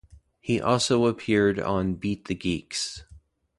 He also appeared on "Beat the Geeks".